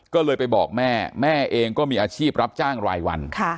ก็เลยไปบอกแม่แม่เองก็มีอาชีพรับจ้างรายวัน